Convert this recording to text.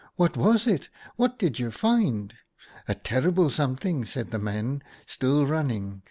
"' What was it ? What did you find ?'"' A terrible something/ said the men, still running.